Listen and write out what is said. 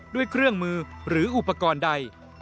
ด้วยเครื่องมือหรืออุปกรณ์ใด